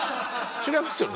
違いますね。